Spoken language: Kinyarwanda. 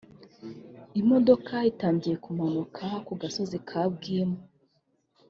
Imodoka itangiye kumanuka ku gasozi ka Bwimu